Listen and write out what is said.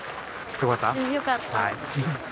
よかった。